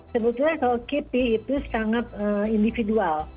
sebetulnya kalau kipi itu sangat individual